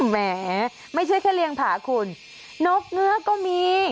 แหมไม่ใช่แค่เลี้ยงผาคุณนกเงื้อก็มี